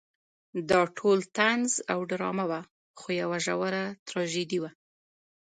دا ټول طنز او ډرامه وه خو یوه ژوره تراژیدي وه.